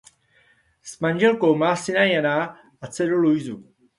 S manželkou má syna Jana a dceru Luisu.